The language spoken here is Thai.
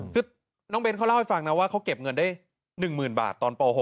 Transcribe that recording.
คือน้องเบ้นเขาเล่าให้ฟังนะว่าเขาเก็บเงินได้๑๐๐๐บาทตอนป๖